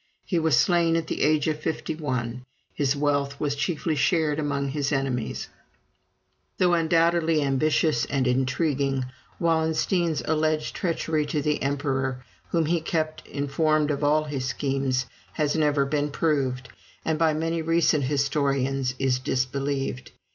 He was slain at the age of fifty one. His wealth was chiefly shared among his enemies. [Illustration: Wallenstein's last banquet.] Though undoubtedly ambitious and intriguing, Wallenstein's alleged treachery to the emperor, whom he kept informed of all his schemes, has never been proved, and by many recent historians is disbelieved.